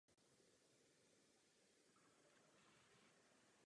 V něm zpívá a hraje na kytaru.